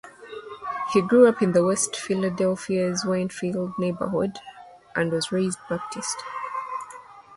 He grew up in West Philadelphia's Wynnefield neighborhood, and was raised Baptist.